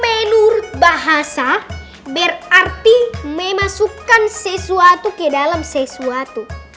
menurut bahasa berarti memasukkan sesuatu ke dalam sesuatu